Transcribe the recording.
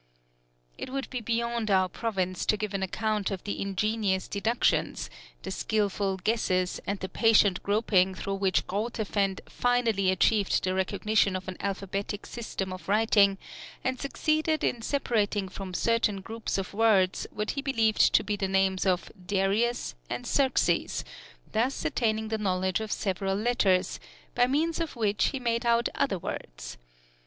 It would be beyond our province to give an account of the ingenious deductions, the skilful guesses, and the patient groping through which Grotefend finally achieved the recognition of an alphabetic system of writing, and succeeded in separating from certain groups of words what he believed to be the names of Darius and Xerxes, thus attaining a knowledge of several letters, by means of which he made out other words.